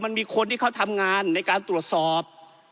มีคนที่เขาทำงานในการตรวจสอบ